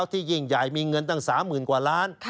ที่ยิ่งใหญ่มีเงินตั้งสามหมื่นกว่าล้าน